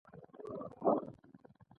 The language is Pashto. همدارنګه په بوټانو کې هم د انسان کار شته